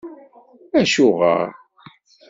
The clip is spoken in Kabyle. AcuƔer?